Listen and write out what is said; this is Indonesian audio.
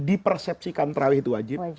di persepsikan teraweh itu wajib